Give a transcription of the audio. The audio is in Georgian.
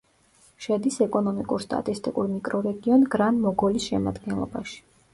შედის ეკონომიკურ-სტატისტიკურ მიკრორეგიონ გრან-მოგოლის შემადგენლობაში.